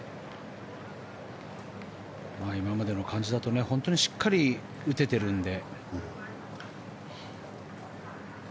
今までの感じだと本当にしっかり打ててるんで。